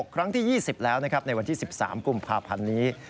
ครั้งที่๒๐แล้วนะครับในวันที่๑๓กุมภาพันธ์นี้